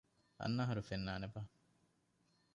އަންނަ އަހަރު ފެންނާނެބާ؟